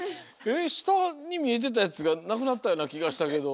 したにみえてたやつがなくなったようなきがしたけど。